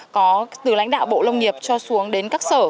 có từ lãnh đạo bộ lông nghiệp cho xuống đến các sở